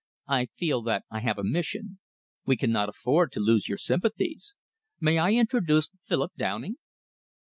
"I feel that I have a mission. We cannot afford to lose your sympathies. May I introduce Philip Downing?"